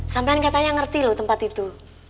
sampean katanya ngerti loh tempat itu